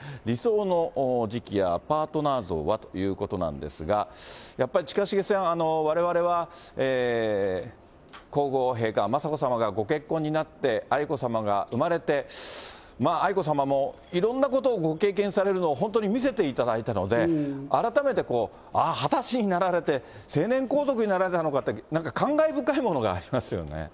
理想の時期やパートナー像はということなんですが、やっぱり近重さん、われわれは皇后陛下、雅子さまがご結婚になって、愛子さまが生まれて、愛子さまもいろんなことをご経験されるのを本当に見せていただいたので、改めてああ、２０歳になられて、成年皇族になられたのかって、なんか感慨深いものがありますよね。